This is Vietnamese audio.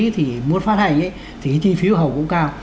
thì muốn phát hành ấy thì chi phí hầu cũng cao